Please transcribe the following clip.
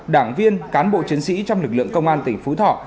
đảng viên cán bộ chiến sĩ trong lực lượng công an tỉnh phú thọ